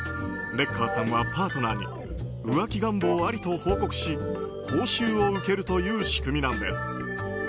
レッカーさんはパートナーに浮気願望ありと報告し報酬を受けるという仕組みなんです。